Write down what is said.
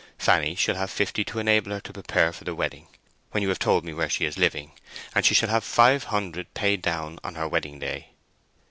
Fanny shall have fifty to enable her to prepare for the wedding, when you have told me where she is living, and she shall have five hundred paid down on her wedding day."